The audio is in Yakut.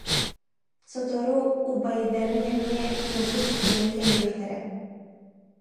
Сотору убай- дарыҥ эмиэ ньылбы сытыйан кэлиэхтэрэ